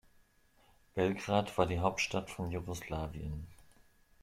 Belgrad war die Hauptstadt von Jugoslawien.